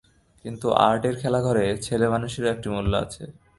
কিন্তু আর্টের খেলাঘরে ছেলেমানুষিরও একটা মূল্য আছে।